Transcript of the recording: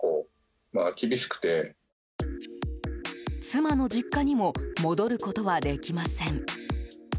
妻の実家にも戻ることはできません。